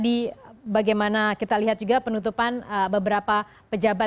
jadi bagaimana kita lihat juga penutupan beberapa pejabat